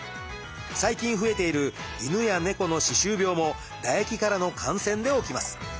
最近増えている犬や猫の歯周病も唾液からの感染で起きます。